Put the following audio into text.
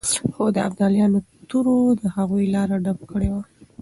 خو د ابدالیانو تورو د هغوی لاره ډب کړې وه.